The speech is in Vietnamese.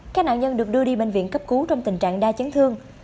các nạn nhân được đưa đi bệnh viện cấp cứu trong tình trạng đa chấn thương